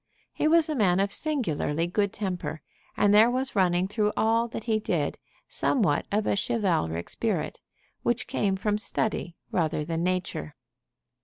He was a man of singularly good temper, and there was running through all that he did somewhat of a chivalric spirit, which came from study rather than nature.